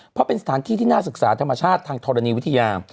เพราะเป็นสถานที่ที่น่าศึกษาธรรมชาติทางธรณีวิทยา